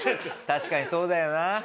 確かにそうだよな。